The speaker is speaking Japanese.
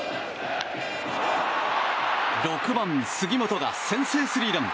６番、杉本が先制スリーラン。